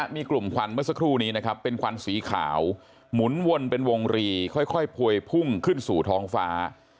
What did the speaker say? มีกลุ่มควันเมื่อสักครู่นี้นะครับเป็นควันสีขาวหมุนวนเป็นวงรีค่อยพวยพุ่งขึ้นสู่ท้องฟ้า